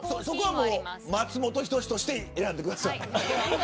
そこはもう、松本人志として選んでください。